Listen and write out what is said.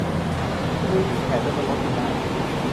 ลืมอิแผดไว้บนรถจนได้